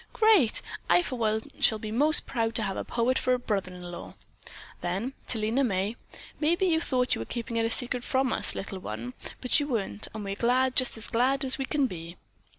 "Great! I for one shall be most proud to have a poet for a brother in law." Then to Lena May: "Maybe you thought you were keeping it a secret from us, little one, but you weren't, and we're glad, just as glad as we can be."